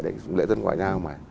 đấy cũng lễ dân ngoại giao mà